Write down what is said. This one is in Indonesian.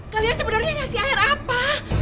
kalian sebenarnya ngasih air apa